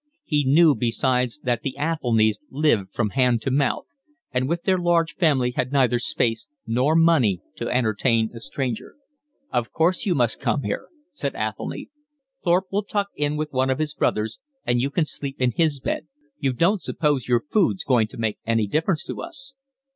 He knew besides that the Athelnys lived from hand to mouth, and with their large family had neither space nor money to entertain a stranger. "Of course you must come here," said Athelny. "Thorpe will tuck in with one of his brothers and you can sleep in his bed. You don't suppose your food's going to make any difference to us."